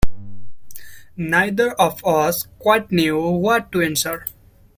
Neither of us quite knew what to answer.